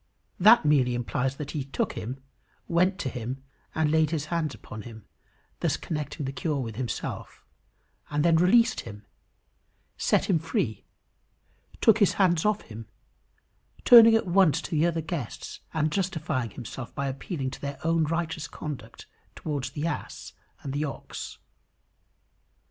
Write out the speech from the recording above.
That merely implies that he took him, went to him and laid his hands upon him, thus connecting the cure with himself, and then released him, set him free, took his hands off him, turning at once to the other guests and justifying himself by appealing to their own righteous conduct towards the ass and the ox.